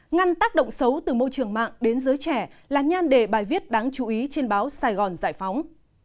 ngăn tác động xấu từ môi trường mạng đến giới trẻ là nhan đề bài viết đáng chú ý trên báo sài gòn giải phóng